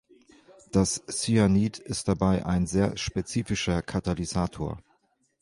Das Cyanid ist dabei ein sehr spezifischer Katalysator.